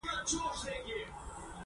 په يوه کښې د ده کور و.